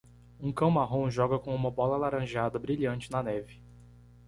Um cão marrom joga com uma bola alaranjada brilhante na neve.